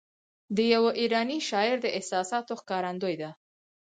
د یوه ایراني شاعر د احساساتو ښکارندوی ده.